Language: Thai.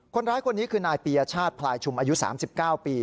คนร้ายคนนี้คือนายปียชาติพลายชุมอายุ๓๙ปี